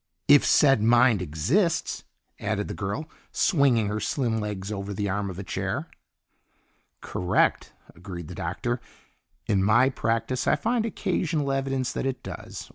"If said mind exists," added the girl, swinging her slim legs over the arm of a chair. "Correct," agreed the Doctor. "In my practice I find occasional evidence that it does.